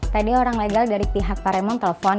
tadi orang legal dari pihak pak remon telpon